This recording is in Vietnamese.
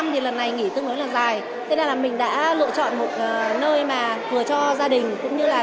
dịp ba mươi tháng bốn tháng năm thì lần này nghỉ tương đối là dài